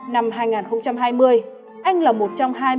năm hai nghìn hai mươi anh là một trong hai mươi